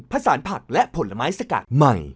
สารผักและผลไม้สกัดใหม่